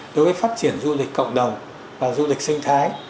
đối với phát triển du lịch cộng đồng và du lịch sinh thái